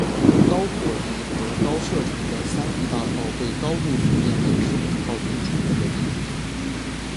高火力和高射程的三笠大炮被高度训练的日本炮兵充分地利用了。